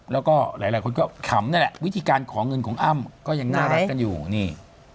แล้วก็หลายคนก็ขำนั่นแหละวิธีการขอเงินของอ้ำก็ยังน่ารักกันอยู่นี่